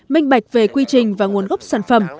minh bạch về quy trình và nguồn gốc sản phẩm